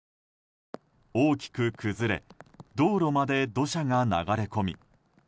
大きく崩れ道路まで土砂が流れ込み